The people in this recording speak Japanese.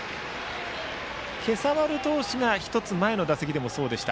今朝丸投手が１つ前の打席でもそうでした。